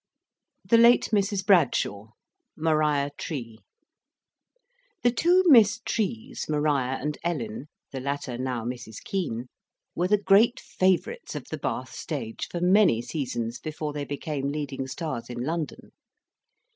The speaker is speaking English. THE LATE MRS. BRADSHAW (MARIA TREE) The two Miss Trees, Maria and Ellen (the latter now Mrs. Kean), were the great favourites of the Bath Stage for many seasons before they became leading stars in London.